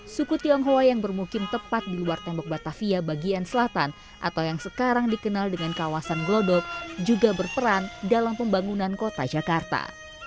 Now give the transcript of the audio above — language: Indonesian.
suku tionghoa yang bermukim tepat di luar tembok batavia bagian selatan atau yang sekarang dikenal dengan kawasan glodok juga berperan dalam pembangunan kota jakarta